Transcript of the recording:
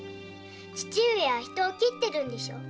父上は人を斬ってるんでしょ？